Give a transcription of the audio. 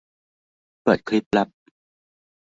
เปิดคลิปลับ